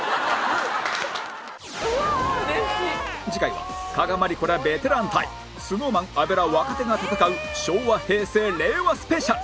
次回は加賀まりこらベテラン対 ＳｎｏｗＭａｎ 阿部ら若手が戦う昭和平成令和スペシャル